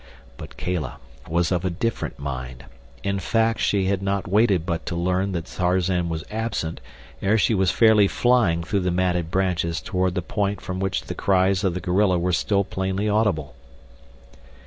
But Kala was of a different mind; in fact, she had not waited but to learn that Tarzan was absent ere she was fairly flying through the matted branches toward the point from which the cries of the gorilla were still plainly audible.